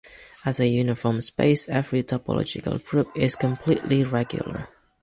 As a uniform space, every topological group is completely regular.